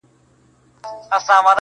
په کوټه کي یې وهلې خرچیلکي٫